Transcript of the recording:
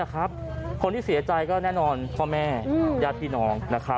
คนที่เสียใจก็แน่นอนพ่อแม่ญาติพี่น้อง